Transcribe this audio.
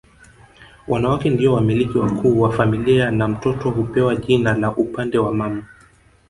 Wanawake ndio wamiliki wakuu wa familia na mtoto hupewa jina la upande wa mama